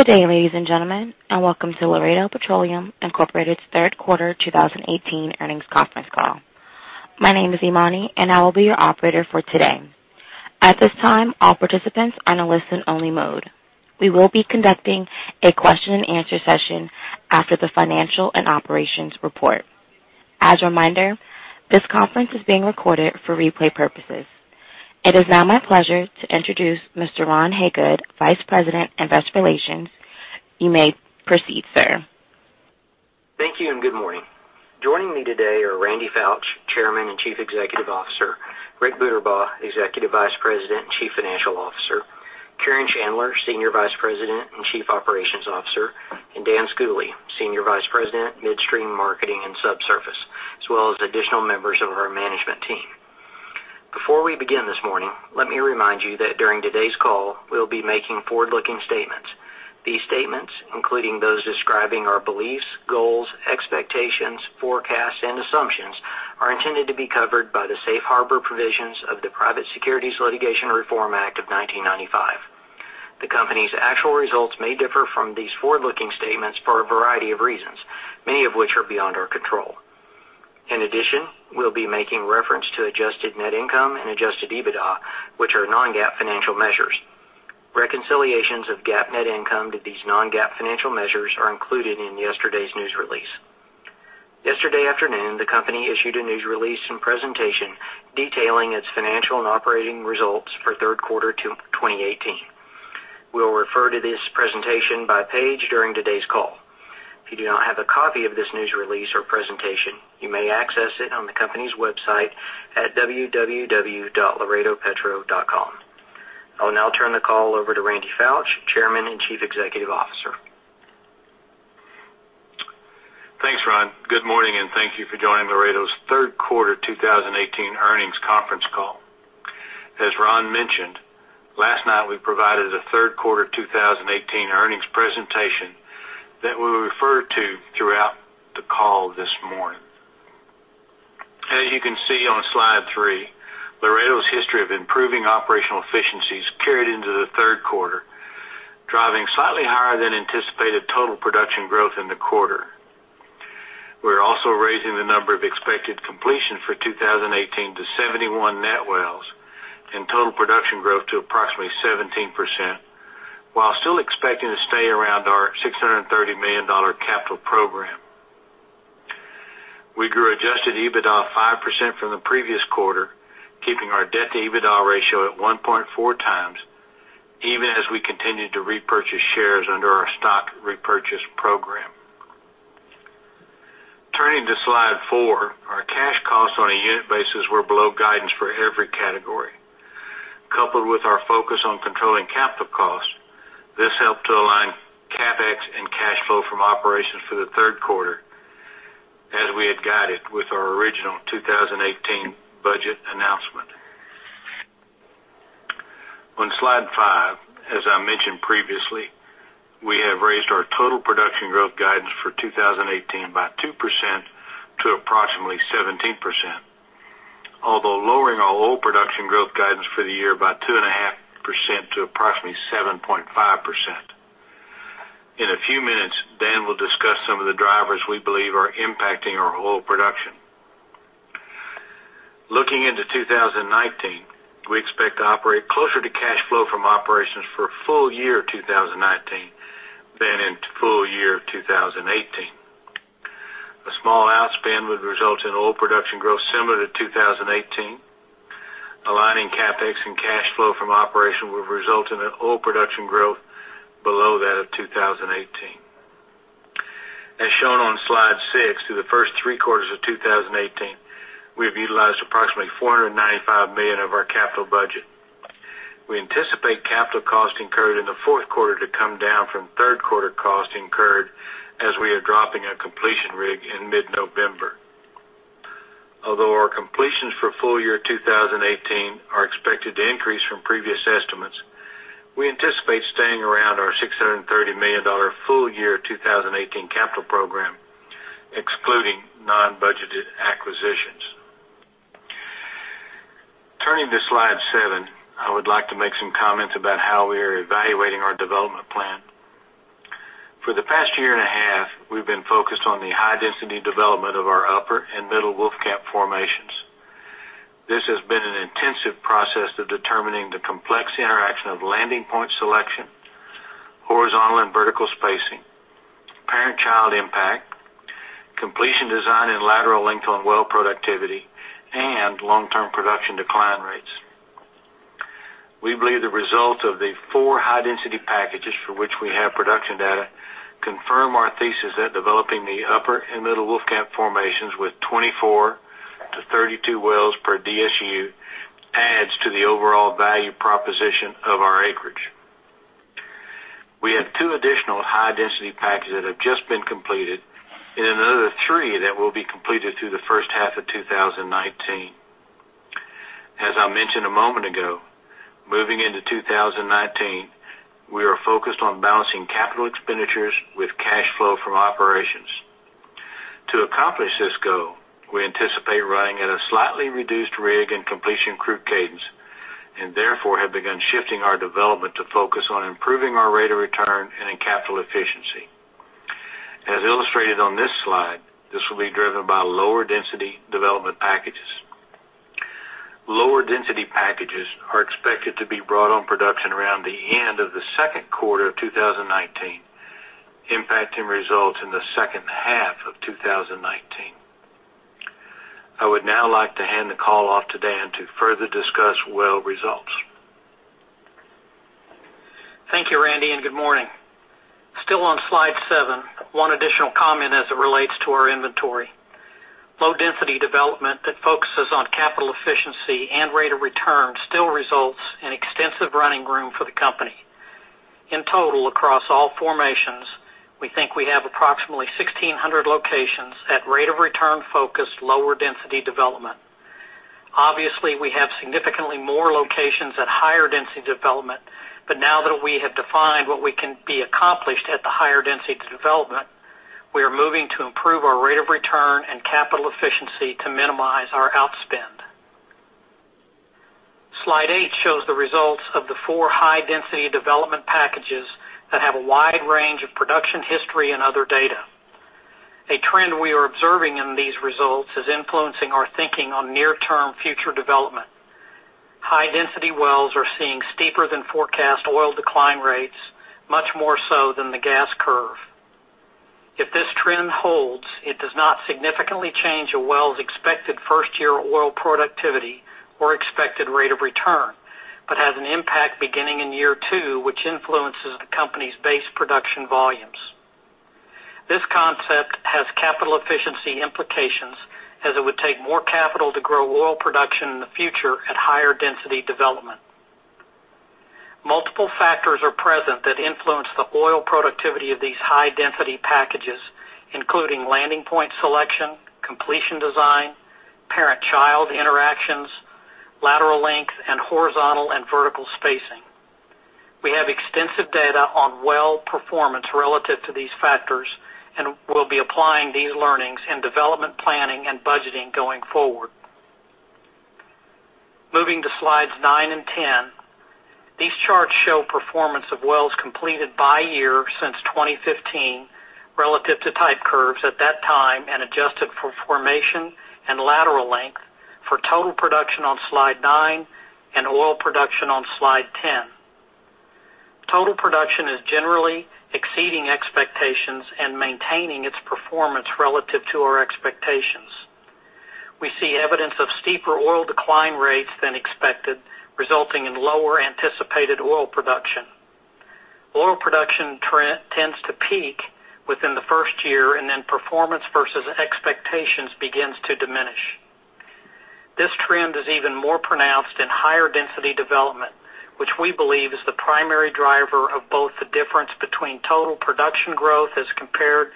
Good day, ladies and gentlemen, and welcome to Laredo Petroleum Incorporated's third quarter 2018 earnings conference call. My name is Imani, and I will be your operator for today. At this time, all participants are in a listen-only mode. We will be conducting a question and answer session after the financial and operations report. As a reminder, this conference is being recorded for replay purposes. It is now my pleasure to introduce Mr. Ron Hagood, Vice President of Investor Relations. You may proceed, sir. Thank you. Good morning. Joining me today are Randy Foutch, Chairman and Chief Executive Officer, Rick Buterbaugh, Executive Vice President and Chief Financial Officer, Karen Chandler, Senior Vice President and Chief Operations Officer, and Dan Schooley, Senior Vice President, Midstream Marketing and Subsurface, as well as additional members of our management team. Before we begin this morning, let me remind you that during today's call, we'll be making forward-looking statements. These statements, including those describing our beliefs, goals, expectations, forecasts, and assumptions, are intended to be covered by the safe harbor provisions of the Private Securities Litigation Reform Act of 1995. The company's actual results may differ from these forward-looking statements for a variety of reasons, many of which are beyond our control. In addition, we'll be making reference to adjusted net income and adjusted EBITDA, which are non-GAAP financial measures. Reconciliations of GAAP net income to these non-GAAP financial measures are included in yesterday's news release. Yesterday afternoon, the company issued a news release and presentation detailing its financial and operating results for third quarter 2018. We'll refer to this presentation by page during today's call. If you do not have a copy of this news release or presentation, you may access it on the company's website at www.laredopetro.com. I'll now turn the call over to Randy Foutch, Chairman and Chief Executive Officer. Thanks, Ron. Good morning. Thank you for joining Laredo's third quarter 2018 earnings conference call. As Ron mentioned, last night, we provided a third-quarter 2018 earnings presentation that we will refer to throughout the call this morning. As you can see on slide three, Laredo's history of improving operational efficiencies carried into the third quarter, driving slightly higher than anticipated total production growth in the quarter. We're also raising the number of expected completion for 2018 to 71 net wells and total production growth to approximately 17%, while still expecting to stay around our $630 million capital program. We grew adjusted EBITDA 5% from the previous quarter, keeping our debt-to-EBITDA ratio at 1.4 times, even as we continued to repurchase shares under our stock repurchase program. Turning to slide four, our cash costs on a unit basis were below guidance for every category. Coupled with our focus on controlling capital costs, this helped to align CapEx and cash flow from operations for the third quarter as we had guided with our original 2018 budget announcement. On slide five, as I mentioned previously, we have raised our total production growth guidance for 2018 by 2% to approximately 17%, although lowering our oil production growth guidance for the year by 2.5% to approximately 7.5%. In a few minutes, Dan will discuss some of the drivers we believe are impacting our oil production. Looking into 2019, we expect to operate closer to cash flow from operations for full year 2019 than in full year 2018. A small outspend would result in oil production growth similar to 2018. Aligning CapEx and cash flow from operation would result in an oil production growth below that of 2018. As shown on slide six, through the first three quarters of 2018, we've utilized approximately $495 million of our capital budget. We anticipate capital costs incurred in the fourth quarter to come down from third quarter costs incurred as we are dropping a completion rig in mid-November. Although our completions for full year 2018 are expected to increase from previous estimates, we anticipate staying around our $630 million full-year 2018 capital program, excluding non-budgeted acquisitions. Turning to slide seven, I would like to make some comments about how we are evaluating our development plan. For the past year and a half, we've been focused on the high-density development of our Upper and Middle Wolfcamp formations. This has been an intensive process of determining the complex interaction of landing point selection, horizontal and vertical spacing, parent-child impact, completion design and lateral length on well productivity, and long-term production decline rates. We believe the results of the four high-density packages for which we have production data confirm our thesis that developing the Upper and Middle Wolfcamp formations with 24 to 32 wells per DSU adds to the overall value proposition of our acreage. We have two additional high-density packages that have just been completed and another three that will be completed through the first half of 2019. As I mentioned a moment ago, moving into 2019, we are focused on balancing capital expenditures with cash flow from operations. To accomplish this goal, we anticipate running at a slightly reduced rig and completion crew cadence, and therefore have begun shifting our development to focus on improving our rate of return and in capital efficiency. As illustrated on this slide, this will be driven by lower density development packages. Lower density packages are expected to be brought on production around the end of the second quarter of 2019, impacting results in the second half of 2019. I would now like to hand the call off to Dan to further discuss well results. Thank you, Randy, and good morning. Still on slide seven, one additional comment as it relates to our inventory. Low density development that focuses on capital efficiency and rate of return still results in extensive running room for the company. In total, across all formations, we think we have approximately 1,600 locations at rate-of-return focused lower density development. Obviously, we have significantly more locations at higher density development, but now that we have defined what we can be accomplished at the higher density development, we are moving to improve our rate of return and capital efficiency to minimize our outspend. Slide eight shows the results of the four high-density development packages that have a wide range of production history and other data. A trend we are observing in these results is influencing our thinking on near-term future development. High-density wells are seeing steeper than forecast oil decline rates, much more so than the gas curve. If this trend holds, it does not significantly change a well's expected first-year oil productivity or expected rate of return, but has an impact beginning in year two, which influences the company's base production volumes. This concept has capital efficiency implications, as it would take more capital to grow oil production in the future at higher density development. Multiple factors are present that influence the oil productivity of these high-density packages, including landing point selection, completion design, parent-child interactions, lateral length, and horizontal and vertical spacing. We have extensive data on well performance relative to these factors, and we'll be applying these learnings in development planning and budgeting going forward. Moving to slides nine and 10. These charts show performance of wells completed by year since 2015, relative to type curves at that time and adjusted for formation and lateral length for total production on slide nine, and oil production on slide 10. Total production is generally exceeding expectations and maintaining its performance relative to our expectations. We see evidence of steeper oil decline rates than expected, resulting in lower anticipated oil production. Oil production tends to peak within the first year, and then performance versus expectations begins to diminish. This trend is even more pronounced in higher density development, which we believe is the primary driver of both the difference between total production growth as compared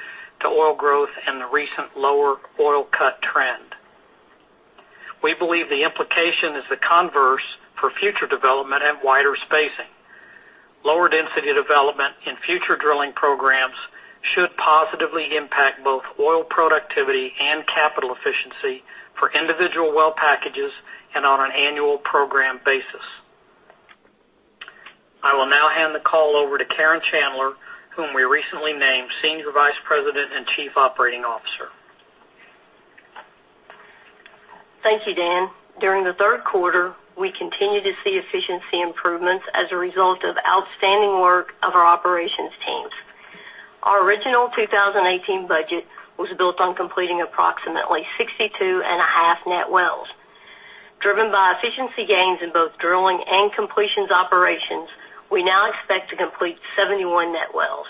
to oil growth and the recent lower oil cut trend. We believe the implication is the converse for future development and wider spacing. Lower density development in future drilling programs should positively impact both oil productivity and capital efficiency for individual well packages and on an annual program basis. I will now hand the call over to Karen Chandler, whom we recently named Senior Vice President and Chief Operating Officer. Thank you, Dan. During the third quarter, we continued to see efficiency improvements as a result of outstanding work of our operations teams. Our original 2018 budget was built on completing approximately 62 and a half net wells. Driven by efficiency gains in both drilling and completions operations, we now expect to complete 71 net wells.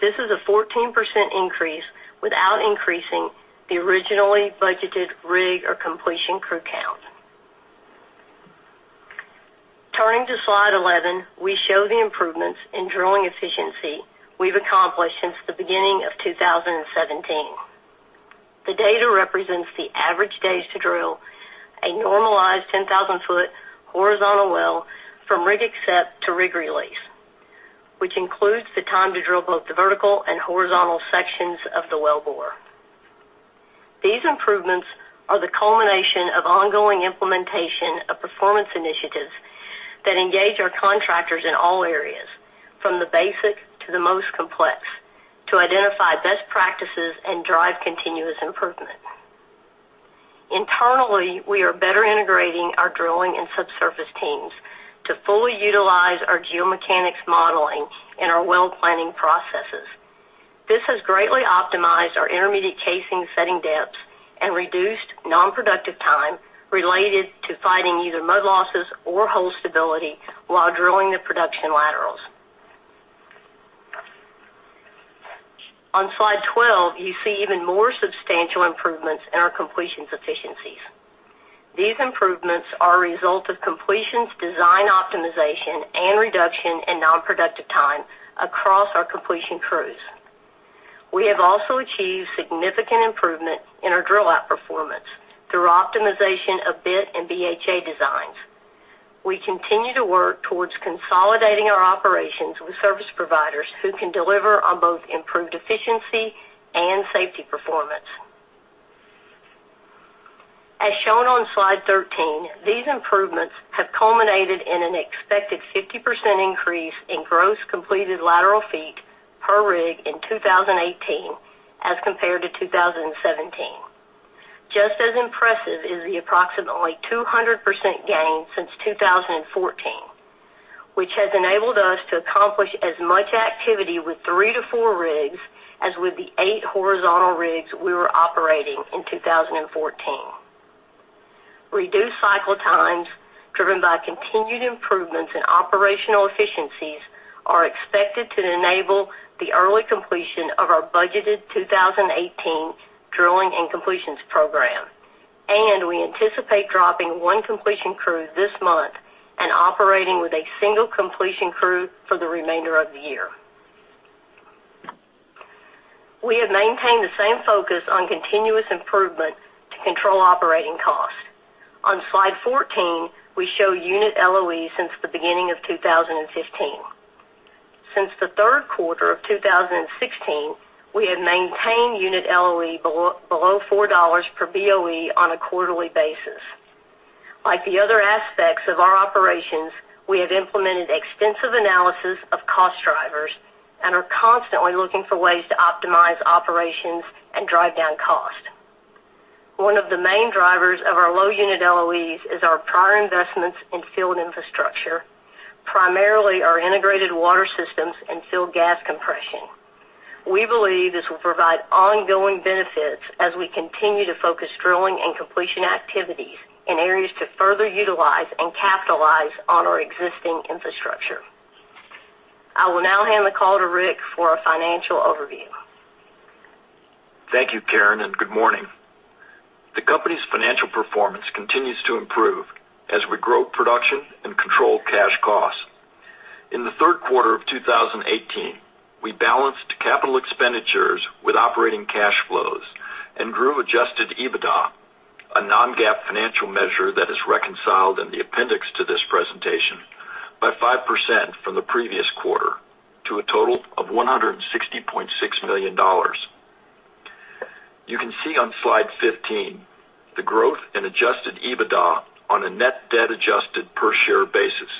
This is a 14% increase without increasing the originally budgeted rig or completion crew count. Turning to slide 11, we show the improvements in drilling efficiency we've accomplished since the beginning of 2017. The data represents the average days to drill a normalized 10,000-foot horizontal well from rig accept to rig release, which includes the time to drill both the vertical and horizontal sections of the wellbore. These improvements are the culmination of ongoing implementation of performance initiatives that engage our contractors in all areas, from the basic to the most complex, to identify best practices and drive continuous improvement. Internally, we are better integrating our drilling and subsurface teams to fully utilize our geomechanics modeling in our well planning processes. This has greatly optimized our intermediate casing setting depths and reduced non-productive time related to fighting either mud losses or hole stability while drilling the production laterals. On slide 12, you see even more substantial improvements in our completions efficiencies. These improvements are a result of completions design optimization and reduction in non-productive time across our completion crews. We have also achieved significant improvement in our drill out performance through optimization of bit and BHA designs. We continue to work towards consolidating our operations with service providers who can deliver on both improved efficiency and safety performance. As shown on slide 13, these improvements have culminated in an expected 50% increase in gross completed lateral feet per rig in 2018 as compared to 2017. Just as impressive is the approximately 200% gain since 2014, which has enabled us to accomplish as much activity with three to four rigs as with the eight horizontal rigs we were operating in 2014. Reduced cycle times driven by continued improvements in operational efficiencies are expected to enable the early completion of our budgeted 2018 drilling and completions program, and we anticipate dropping one completion crew this month and operating with a one completion crew for the remainder of the year. We have maintained the same focus on continuous improvement to control operating costs. On slide 14, we show unit LOE since the beginning of 2015. Since the third quarter of 2016, we have maintained unit LOE below $4 per BOE on a quarterly basis. Like the other aspects of our operations, we have implemented extensive analysis of cost drivers and are constantly looking for ways to optimize operations and drive down cost. One of the main drivers of our low unit LOEs is our prior investments in field infrastructure, primarily our integrated water systems and field gas compression. We believe this will provide ongoing benefits as we continue to focus drilling and completion activities in areas to further utilize and capitalize on our existing infrastructure. I will now hand the call to Rick for a financial overview. Thank you, Karen, and good morning. The company's financial performance continues to improve as we grow production and control cash costs. In the third quarter of 2018, we balanced capital expenditures with operating cash flows and grew adjusted EBITDA, a non-GAAP financial measure that is reconciled in the appendix to this presentation, by 5% from the previous quarter to a total of $160.6 million. You can see on slide 15 the growth in adjusted EBITDA on a net debt adjusted per share basis.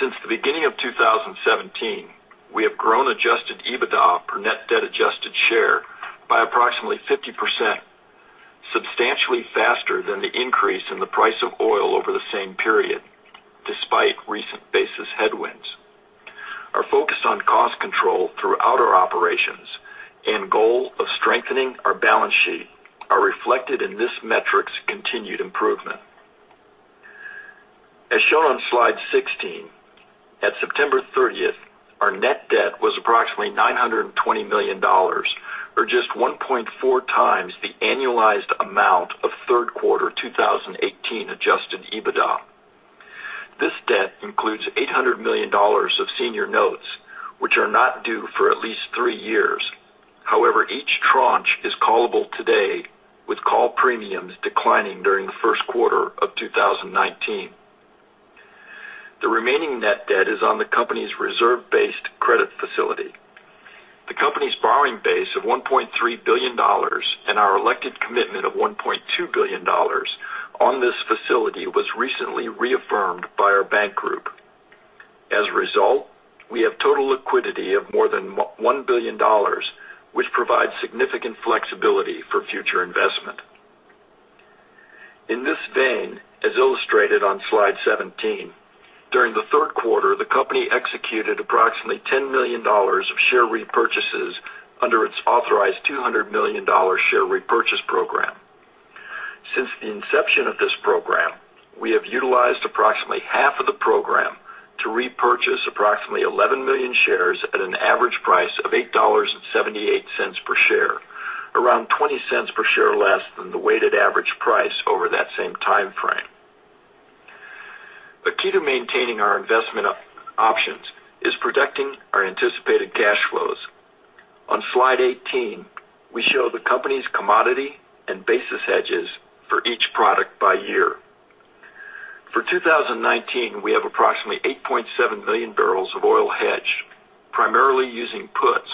Since the beginning of 2017, we have grown adjusted EBITDA per net debt adjusted share by approximately 50%, substantially faster than the increase in the price of oil over the same period, despite recent basis headwinds. Our focus on cost control throughout our operations and goal of strengthening our balance sheet are reflected in this metric's continued improvement. As shown on slide 16, at September 30th, our net debt was approximately $920 million, or just 1.4 times the annualized amount of third quarter 2018 adjusted EBITDA. This debt includes $800 million of senior notes, which are not due for at least three years. However, each tranche is callable today with call premiums declining during the first quarter of 2019. The remaining net debt is on the company's reserve-based credit facility. The company's borrowing base of $1.3 billion and our elected commitment of $1.2 billion on this facility was recently reaffirmed by our bank group. As a result, we have total liquidity of more than $1 billion, which provides significant flexibility for future investment. In this vein, as illustrated on slide 17, during the third quarter, the company executed approximately $10 million of share repurchases under its authorized $200 million share repurchase program. Since the inception of this program, we have utilized approximately half of the program to repurchase approximately 11 million shares at an average price of $8.78 per share, around $0.20 per share less than the weighted average price over that same timeframe. A key to maintaining our investment options is protecting our anticipated cash flows. On slide 18, we show the company's commodity and basis hedges for each product by year. For 2019, we have approximately 8.7 million barrels of oil hedged, primarily using puts,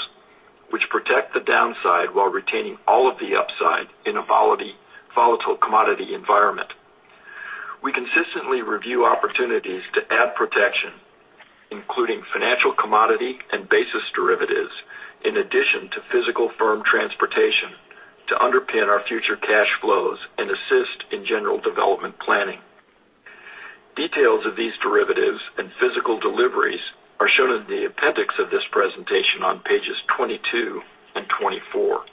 which protect the downside while retaining all of the upside in a volatile commodity environment. We consistently review opportunities to add protection, including financial commodity and basis derivatives, in addition to physical firm transportation, to underpin our future cash flows and assist in general development planning. Details of these derivatives and physical deliveries are shown in the appendix of this presentation on pages 22 and 24.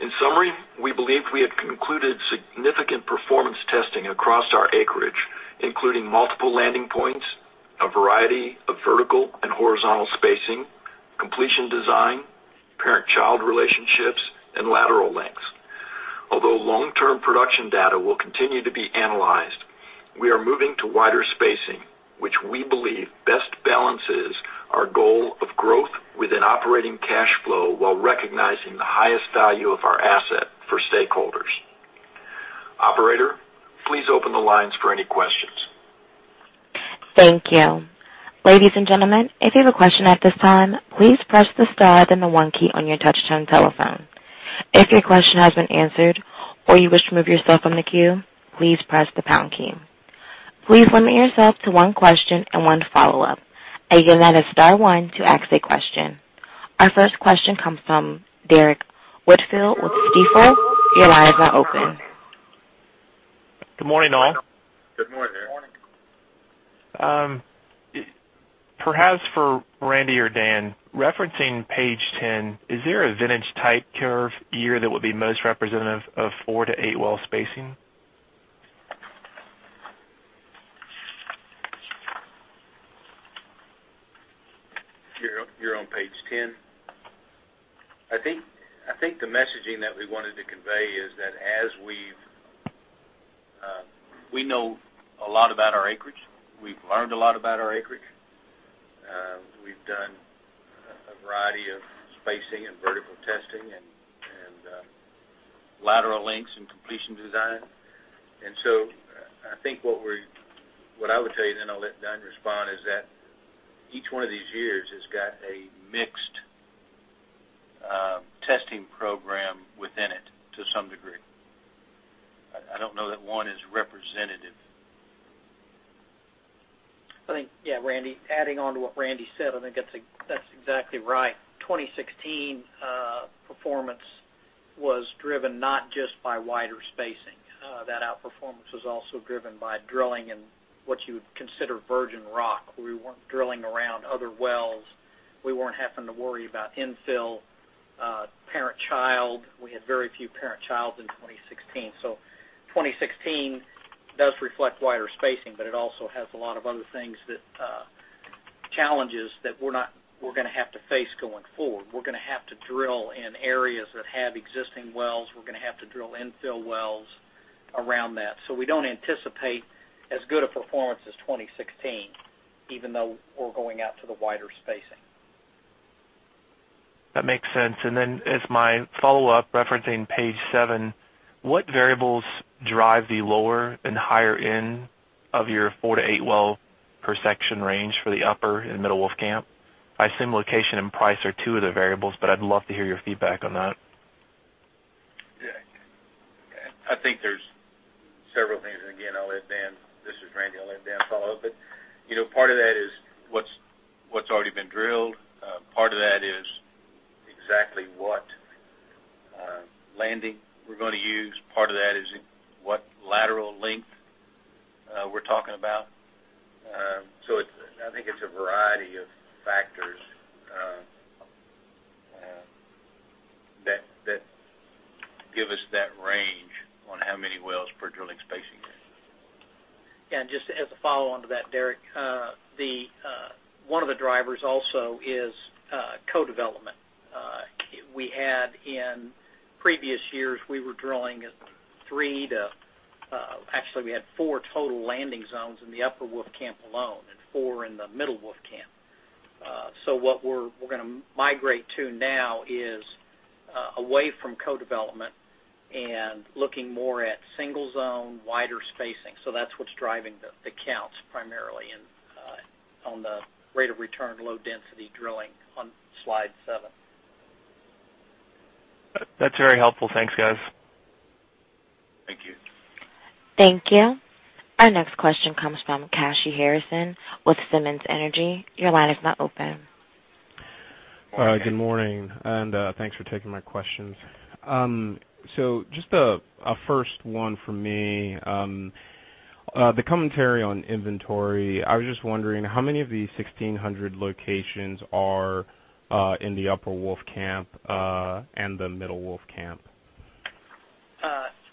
In summary, we believe we have concluded significant performance testing across our acreage, including multiple landing points, a variety of vertical and horizontal spacing, completion design, parent-child relationships, and lateral lengths. Although long-term production data will continue to be analyzed We are moving to wider spacing, which we believe best balances our goal of growth within operating cash flow while recognizing the highest value of our asset for stakeholders. Operator, please open the lines for any questions. Thank you. Ladies and gentlemen, if you have a question at this time, please press the star then the one key on your touch-tone telephone. If your question has been answered, or you wish to remove yourself from the queue, please press the pound key. Please limit yourself to one question and one follow-up. Again, that is star one to ask a question. Our first question comes from Derrick Whitfield with Stifel. Your line is now open. Good morning, all. Good morning. Perhaps for Randy or Dan, referencing page 10, is there a vintage type curve year that would be most representative of four to eight well spacing? You're on page 10. I think the messaging that we wanted to convey is that we know a lot about our acreage. We've learned a lot about our acreage. We've done a variety of spacing and vertical testing, and lateral lengths and completion design. I think what I would say, then I'll let Dan respond, is that each one of these years has got a mixed testing program within it to some degree. I don't know that one is representative. I think, yeah, Randy, adding on to what Randy said, I think that's exactly right. 2016 performance was driven not just by wider spacing. That outperformance was also driven by drilling in what you would consider virgin rock. We weren't drilling around other wells. We weren't having to worry about infill, parent-child. We had very few parent-childs in 2016. 2016 does reflect wider spacing, but it also has a lot of other challenges that we're going to have to face going forward. We're going to have to drill in areas that have existing wells. We're going to have to drill infill wells around that. We don't anticipate as good a performance as 2016, even though we're going out to the wider spacing. That makes sense. As my follow-up, referencing page seven, what variables drive the lower and higher end of your four to eight well per section range for the Upper and Middle Wolfcamp? I assume location and price are two of the variables, but I'd love to hear your feedback on that. Yeah. I think there's several things. Again, this is Randy, I'll let Dan follow up. Part of that is what's already been drilled. Part of that is exactly what landing we're going to use. Part of that is what lateral length we're talking about. I think it's a variety of factors that give us that range on how many wells per drilling spacing there is. Yeah, just as a follow-on to that, Derrick. One of the drivers also is co-development. We had in previous years, Actually, we had four total landing zones in the Upper Wolfcamp alone and four in the Middle Wolfcamp. What we're going to migrate to now is away from co-development and looking more at single zone, wider spacing. That's what's driving the counts primarily, and on the rate of return, low density drilling on slide seven. That's very helpful. Thanks, guys. Thank you. Thank you. Our next question comes from Kashy Harrison with Simmons Energy. Your line is now open. Good morning, and thanks for taking my questions. Just a first one for me. The commentary on inventory, I was just wondering how many of the 1,600 locations are in the Upper Wolfcamp and the Middle Wolfcamp?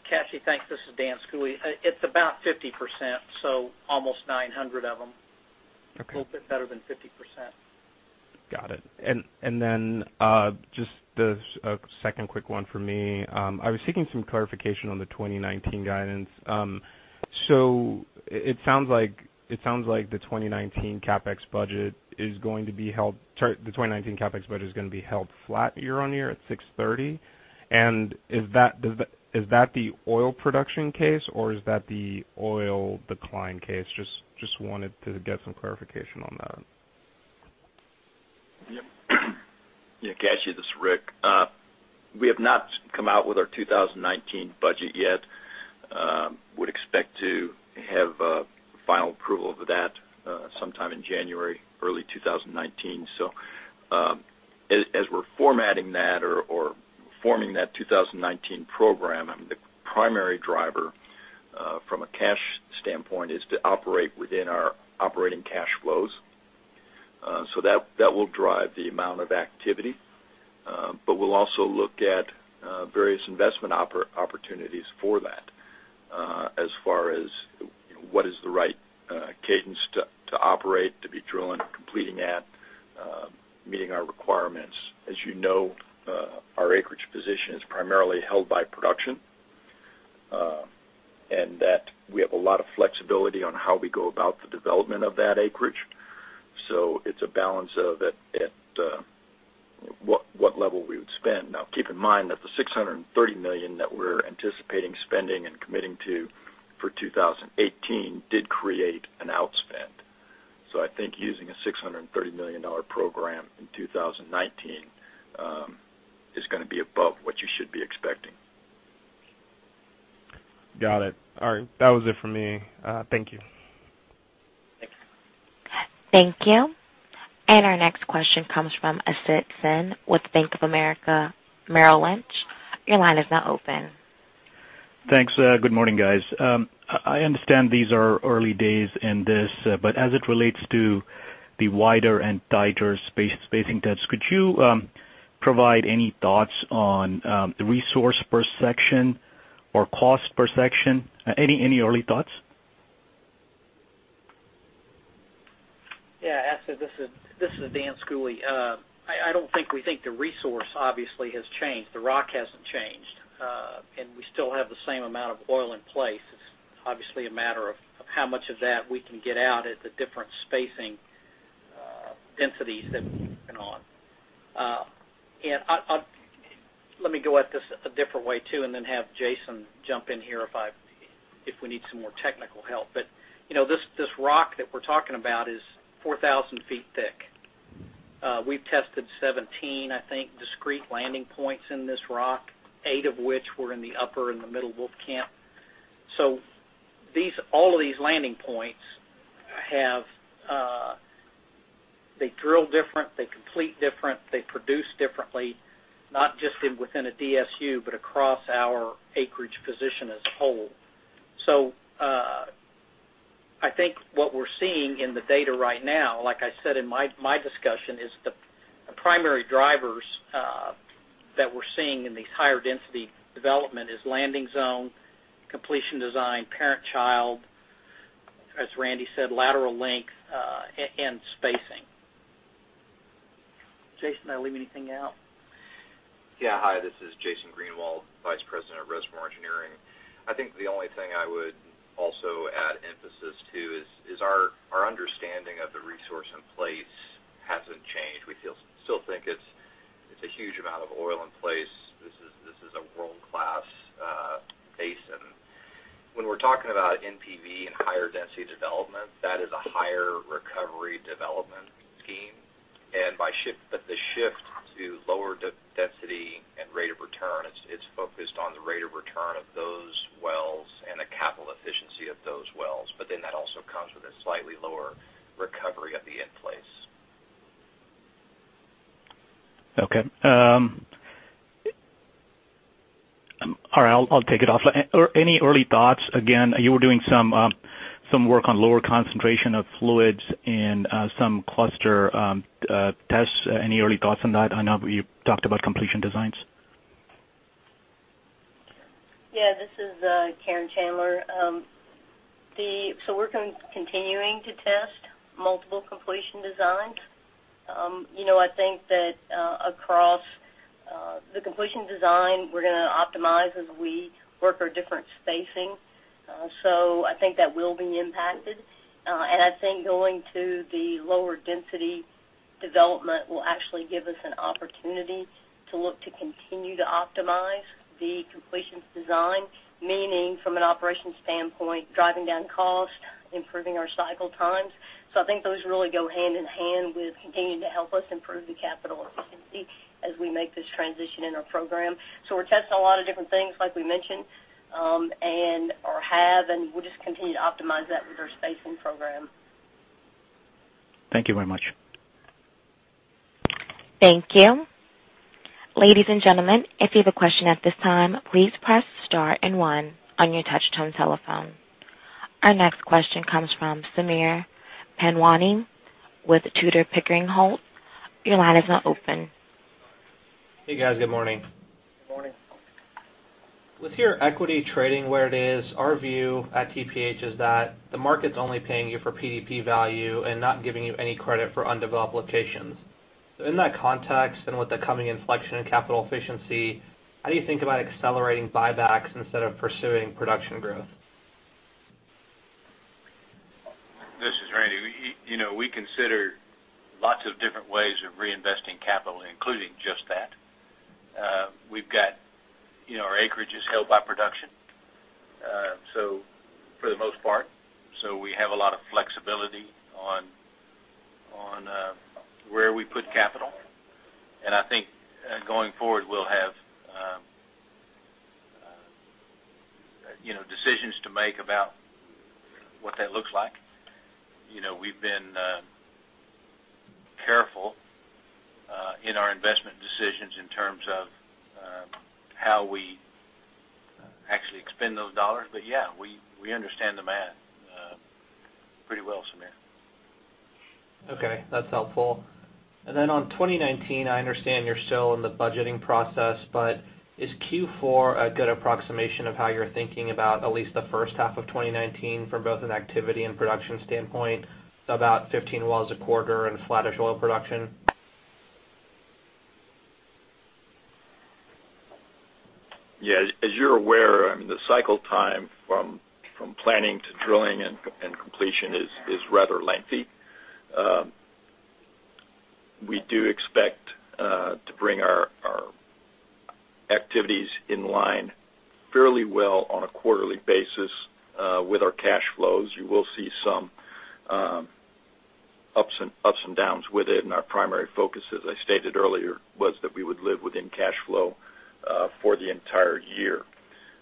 Kashy, thanks. This is Dan Schooley. It's about 50%, so almost 900 of them. Okay. A little bit better than 50%. Got it. Then, just a second quick one for me. I was seeking some clarification on the 2019 guidance. It sounds like the 2019 CapEx budget is going to be held flat year-on-year at $630 million. Is that the oil production case, or is that the oil decline case? Just wanted to get some clarification on that. Yeah. Kashy, this is Rick. We have not come out with our 2019 budget yet. Would expect to have final approval of that sometime in January, early 2019. As we're formatting that or forming that 2019 program, the primary driver, from a cash standpoint, is to operate within our operating cash flows. That will drive the amount of activity. We'll also look at various investment opportunities for that, as far as what is the right cadence to operate, to be drilling or completing at meeting our requirements. As you know, our acreage position is primarily held by production, and that we have a lot of flexibility on how we go about the development of that acreage. It's a balance of at what level we would spend. Now, keep in mind that the $630 million that we're anticipating spending and committing to for 2018 did create an outspend. I think using a $630 million program in 2019 is going to be above what you should be expecting. Got it. All right. That was it for me. Thank you. Thanks. Thank you. Our next question comes from Asit Sen with Bank of America Merrill Lynch. Your line is now open. Thanks. Good morning, guys. I understand these are early days in this, as it relates to the wider and tighter spacing tests, could you provide any thoughts on the resource per section or cost per section? Any early thoughts? Yeah. Asit, this is Dan Schooley. I don't think we think the resource obviously has changed. The rock hasn't changed. We still have the same amount of oil in place. It's obviously a matter of how much of that we can get out at the different spacing densities that we've been on. Let me go at this a different way, too, and then have Jason jump in here if we need some more technical help. This rock that we're talking about is 4,000 feet thick. We've tested 17, I think, discrete landing points in this rock, eight of which were in the Upper and the Middle Wolfcamp. All of these landing points, they drill different, they complete different, they produce differently, not just within a DSU, but across our acreage position as a whole. I think what we're seeing in the data right now, like I said in my discussion, is the primary drivers that we're seeing in these higher density development is landing zone, completion design, parent-child, as Randy said, lateral length, and spacing. Jason, did I leave anything out? Yeah, this is Jason Greenwald, Vice President of Reservoir Engineering. I think the only thing I would also add emphasis to is our understanding of the resource in place hasn't changed. We still think it's a huge amount of oil in place. This is a world-class basin. When we're talking about NPV and higher density development, that is a higher recovery development scheme. The shift to lower density and rate of return, it's focused on the rate of return of those wells and the capital efficiency of those wells. That also comes with a slightly lower recovery of the in place. Okay. All right, I'll take it off. Any early thoughts, again, you were doing some work on lower concentration of fluids and some cluster tests. Any early thoughts on that? I know you talked about completion designs. Yeah, this is Karen Chandler. We're continuing to test multiple completion designs. I think that across the completion design, we're going to optimize as we work our different spacing. I think that will be impacted. I think going to the lower density development will actually give us an opportunity to look to continue to optimize the completions design, meaning from an operations standpoint, driving down cost, improving our cycle times. I think those really go hand in hand with continuing to help us improve the capital efficiency as we make this transition in our program. We're testing a lot of different things, like we mentioned, and/or have, and we'll just continue to optimize that with our spacing program. Thank you very much. Thank you. Ladies and gentlemen, if you have a question at this time, please press star and one on your touch tone telephone. Our next question comes from Sameer Panjwani with Tudor, Pickering, Holt. Your line is now open. Hey, guys. Good morning. Good morning. With your equity trading where it is, our view at TPH is that the market's only paying you for PDP value and not giving you any credit for undeveloped locations. In that context, and with the coming inflection in capital efficiency, how do you think about accelerating buybacks instead of pursuing production growth? This is Randy. We consider lots of different ways of reinvesting capital, including just that. We've got our acreages held by production, for the most part. We have a lot of flexibility on where we put capital, and I think going forward, we'll have decisions to make about what that looks like. We've been careful in our investment decisions in terms of how we actually expend those dollars. Yeah, we understand the math pretty well, Sameer. Okay, that's helpful. Then on 2019, I understand you're still in the budgeting process, but is Q4 a good approximation of how you're thinking about at least the first half of 2019 from both an activity and production standpoint, about 15 wells a quarter and flattish oil production? Yeah. As you're aware, the cycle time from planning to drilling and completion is rather lengthy. We do expect to bring our activities in line fairly well on a quarterly basis with our cash flows. You will see some ups and downs with it, our primary focus, as I stated earlier, was that we would live within cash flow for the entire year.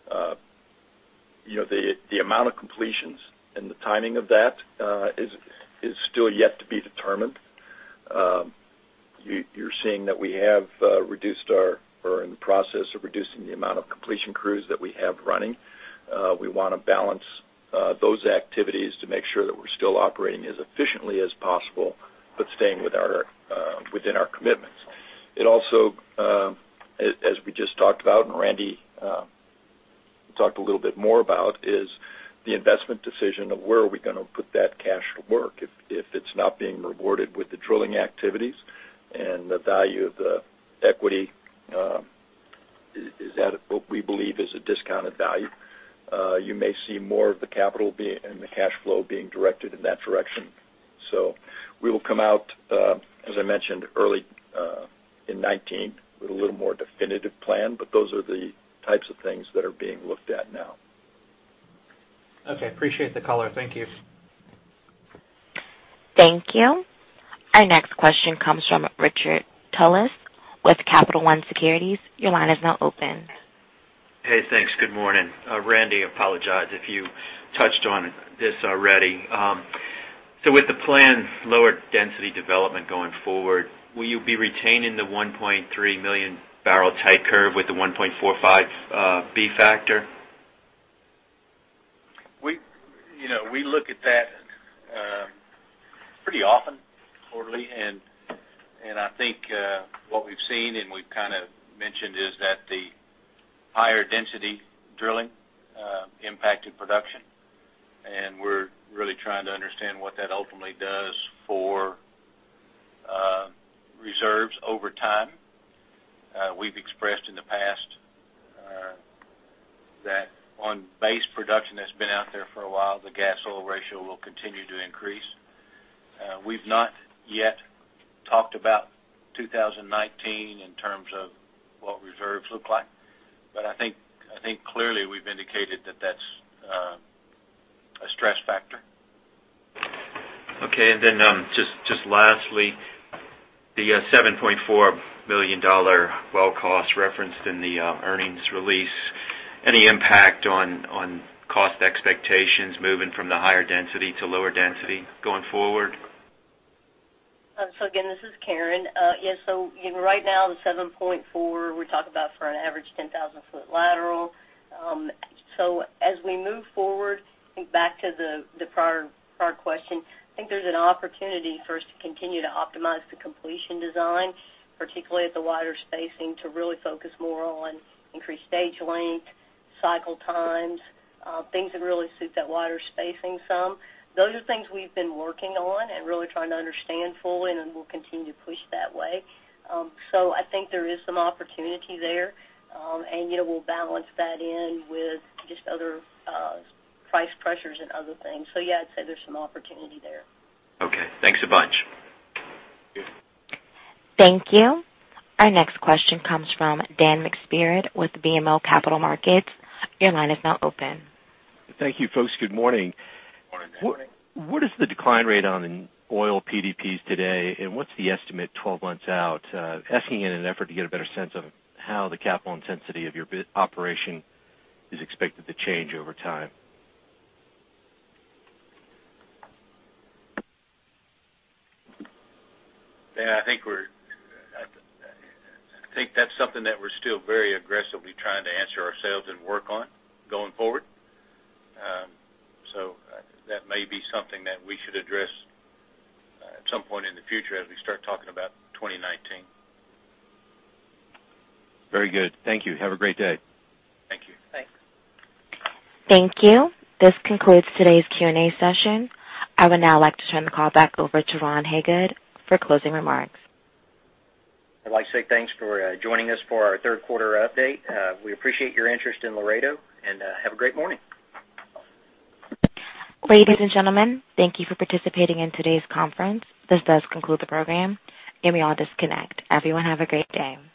The amount of completions and the timing of that is still yet to be determined. You're seeing that we have reduced or are in the process of reducing the amount of completion crews that we have running. We want to balance those activities to make sure that we're still operating as efficiently as possible, staying within our commitments. It also, as we just talked about, and Randy talked a little bit more about, is the investment decision of where are we going to put that cash to work if it's not being rewarded with the drilling activities and the value of the equity is at what we believe is a discounted value. You may see more of the capital and the cash flow being directed in that direction. We will come out, as I mentioned, early in 2019 with a little more definitive plan, those are the types of things that are being looked at now. Okay. Appreciate the color. Thank you. Thank you. Our next question comes from Richard Tullis with Capital One Securities. Your line is now open. Hey, thanks. Good morning. Randy, I apologize if you touched on this already. With the planned lower density development going forward, will you be retaining the 1.3 million barrel type curve with the 1.45 b-factor? We look at that pretty often, quarterly, I think what we've seen, we've kind of mentioned, is that the higher density drilling impacted production, we're really trying to understand what that ultimately does for reserves over time. We've expressed in the past that on base production that's been out there for a while, the gas-oil ratio will continue to increase. We've not yet talked about 2019 in terms of what reserves look like, I think clearly we've indicated that that's a stress factor. Okay. Just lastly, the $7.4 million well cost referenced in the earnings release, any impact on cost expectations moving from the higher density to lower density going forward? Again, this is Karen. Yes. Right now, the $7.4 million we're talking about for an average 10,000-foot lateral. As we move forward, I think back to the prior question. I think there's an opportunity for us to continue to optimize the completion design, particularly at the wider spacing, to really focus more on increased stage length, cycle times, things that really suit that wider spacing some. Those are things we've been working on and really trying to understand fully. Then we'll continue to push that way. I think there is some opportunity there, and we'll balance that in with just other price pressures and other things. Yeah, I'd say there's some opportunity there. Okay. Thanks a bunch. Yeah. Thank you. Our next question comes from Dan McSpirit with BMO Capital Markets. Your line is now open. Thank you, folks. Good morning. Morning. What is the decline rate on oil PDPs today, and what's the estimate 12 months out? Asking in an effort to get a better sense of how the capital intensity of your operation is expected to change over time. Dan, I think that's something that we're still very aggressively trying to answer ourselves and work on going forward. That may be something that we should address at some point in the future as we start talking about 2019. Very good. Thank you. Have a great day. Thank you. Thanks. Thank you. This concludes today's Q&A session. I would now like to turn the call back over to Ron Hagood for closing remarks. I'd like to say thanks for joining us for our third quarter update. We appreciate your interest in Laredo, and have a great morning. Ladies and gentlemen, thank you for participating in today's conference. This does conclude the program. You may all disconnect. Everyone have a great day.